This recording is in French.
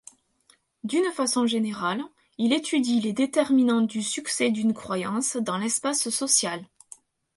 D’une façon générale, il étudie les déterminants du succès d’une croyance dans l’espace social.